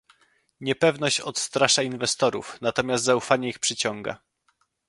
Niepewność odstrasza inwestorów, natomiast zaufanie ich przyciąga